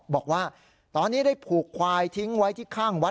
บอกว่าตอนนี้ได้ผูกควายทิ้งไว้ที่ข้างวัด